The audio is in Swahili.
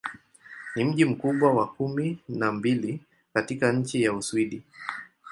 Ni mji mkubwa wa kumi na mbili katika nchi wa Uswidi.